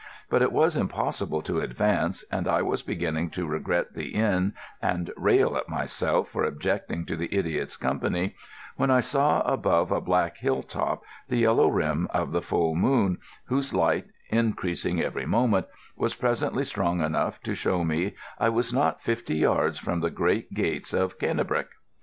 But it was impossible to advance, and I was beginning to regret the inn and rail at myself for objecting to the idiot's company, when I saw above a black hill top the yellow rim of the full moon, whose light, increasing every moment, was presently strong enough to show me I was not fifty yards from the great gates of Cannebrake.